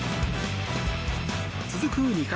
続く２回。